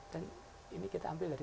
dan ini kita ambil dari